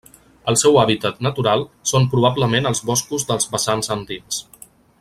El seu hàbitat natural són probablement els boscos dels vessants andins.